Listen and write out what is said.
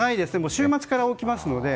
週末から起きますので。